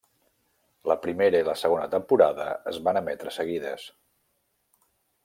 La primera i la segona temporada es van emetre seguides.